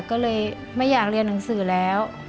ก็เลยไม่อยากเรียนหนังสือแล้ว